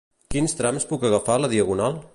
Quins trams puc agafar a la Diagonal?